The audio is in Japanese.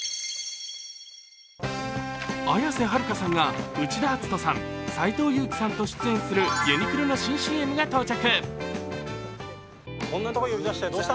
綾瀬はるかさんが内田篤人さん、斎藤佑樹さんと出演する、ユニクロの新ＣＭが到着。